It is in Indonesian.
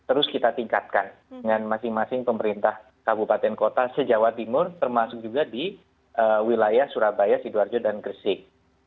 buat komunikasi yang terus kita tingkatkan dengan masing masing pemerintah kabupaten kota sejauh timur termasuk juga di wilayah surabaya sidoarjo dan gresik